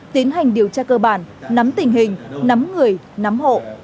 tiến hành điều tra cơ bản nắm tình hình nắm người nắm hộ